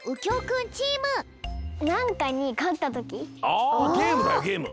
あゲームだよゲーム！